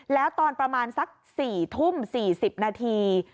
แล้วตอนประมาณสัก๔ทุ่ม๔๐นาที